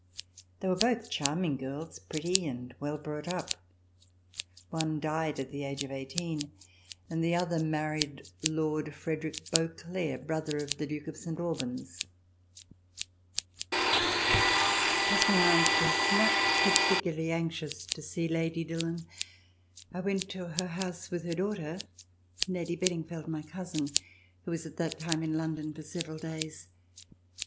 They were both charming girls, pretty and well brought up. One died at the age of eighteen and the other married Lord Frederick Beauclerk, brother of the Duke of Saint Albans. As my aunt was not particularly anxious to see Lady Dillon, I went to her house with her daughter, Lady Bedingfeld, my cousin, who was at that time in London for several days.